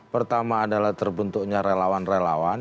pertama adalah terbentuknya relawan relawan